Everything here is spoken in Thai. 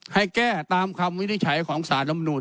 ให้แก้ตามคำวินิจฉัยของสารลำนูล